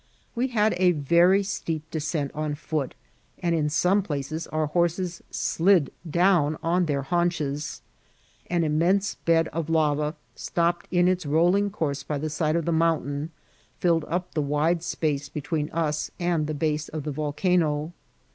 We had a very steep descent on foot, and in some places our horses slid down on their haunches. An inunense bed of lava, stopped in its rolling course by the side of the mountain, filled up the wide space between us and the base of the volcano.